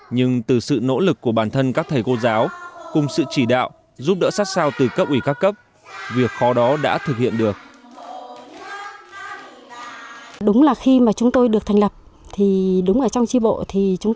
nhưng từ sự nỗ lực của bản thân các thầy cô giáo cùng sự chỉ đạo giúp đỡ sát sao từ cấp ủy các cấp việc khó đó đã thực hiện được